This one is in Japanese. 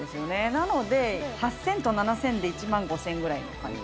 なので８０００と７０００で１万５０００円ぐらいな感じ。